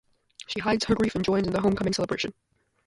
She hides her grief and joins in the homecoming celebration.